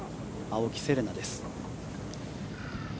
青木瀬令奈です。